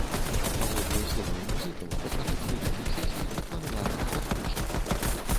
Паводле словаў музыкаў, пачатак студыйных сесій запланаваны на кастрычнік.